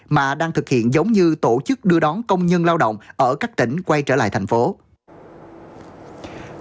mà đang thực hiện giống như tổ chức đưa đón công nhân lao động ở các tỉnh quay trở lại thành phố